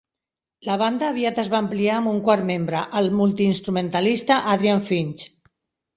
La banda aviat es va ampliar amb un quart membre, el multiinstrumentalista Adrian Finch.